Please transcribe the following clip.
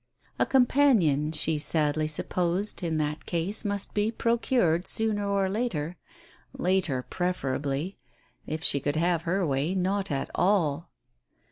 A companion, she sadly supposed, in that case must be procured sooner or later — later, preferably; if she could have her way, not at all